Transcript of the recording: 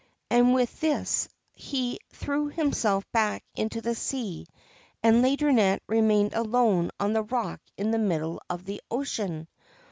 And with this he threw himself back into the sea, and Laideronnette remained alone on the rock in the middle of the ocean.